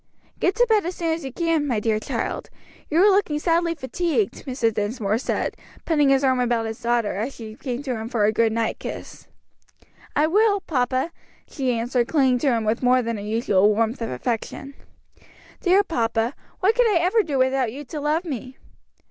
"Get to bed as soon as you can, my dear child; you are looking sadly fatigued," Mr. Dinsmore said, putting his arm about his daughter as she came to him for her good night kiss. "I will, papa," she answered, clinging to him with more than her usual warmth of affection. "Dear papa, what could I ever do without you to love me?"